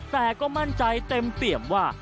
แต่ก็มั่นใจเต็มเปี่ยมว่า